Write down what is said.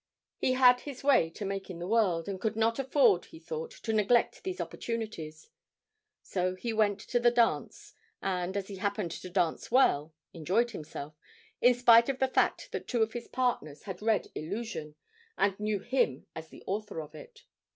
He had his way to make in the world, and could not afford, he thought, to neglect these opportunities. So he went to the dance and, as he happened to dance well, enjoyed himself, in spite of the fact that two of his partners had read 'Illusion,' and knew him as the author of it.